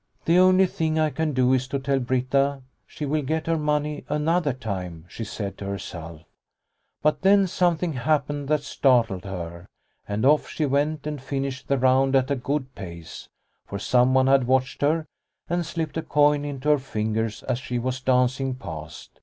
* The only thing I can do is to tell Britta she will get her money another time," she said to H4 Liliecrona's Home herself. But then something happened that startled her, and off she went and finished the round at a good pace. For someone had watched her and slipped a coin into her fingers as she was dancing past.